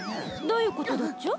どういうことだっちゃ？